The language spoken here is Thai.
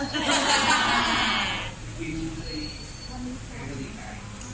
วันนี้เพื่อนคุณค่ะ